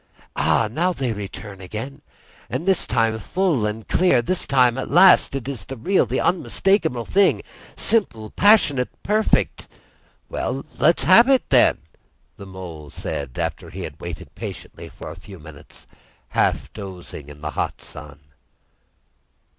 Ah! now they return again, and this time full and clear! This time, at last, it is the real, the unmistakable thing, simple—passionate—perfect——" "Well, let's have it, then," said the Mole, after he had waited patiently for a few minutes, half dozing in the hot sun.